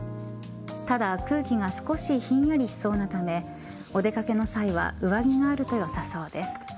ただ空気が少しひんやりしそうなためお出掛けの際は上着があるとよさそうです。